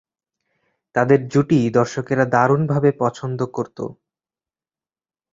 তাঁদের জুটি দর্শকেরা দারুণভাবে পছন্দ করতো।